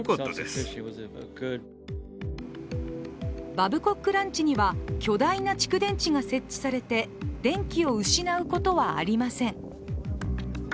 バブコックランチには巨大な蓄電池が設置されて、電気を失うことはありません。